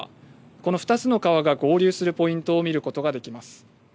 この２つの川が合流するポイントを見ることができます。